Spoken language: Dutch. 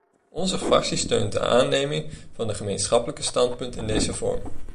Onze fractie steunt de aanneming van het gemeenschappelijk standpunt in deze vorm.